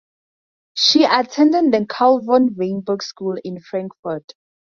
She attended the Carl von Weinberg School in Frankfurt.